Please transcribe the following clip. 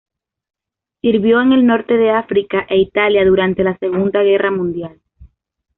Sirvió en el norte de África e Italia durante la Segunda Guerra Mundial.